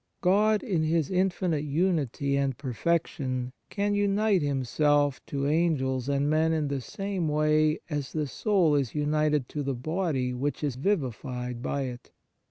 God in His infinite unity and perfection can unite Himself to Angels and men in the same way as the soul is united to the body which is vivified by it.